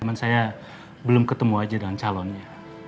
cuma saya belum ketemu aja dengan calonnya